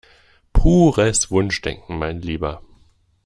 Pures Wunschdenken, mein Lieber!